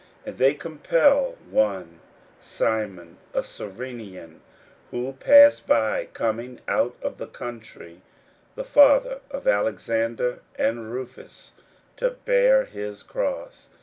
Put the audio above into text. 41:015:021 And they compel one Simon a Cyrenian, who passed by, coming out of the country, the father of Alexander and Rufus, to bear his cross.